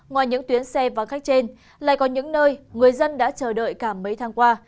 ngoài những tuyến xe và khách trên lại có những nơi người dân đã chờ đợi cả mấy tháng qua